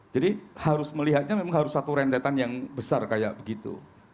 jadi harus melihatnya memang harus satu rentetan yang besar kayak begitu